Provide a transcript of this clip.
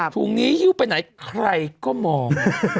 ซุงนี้อยู่ไปไหนใครก็มอง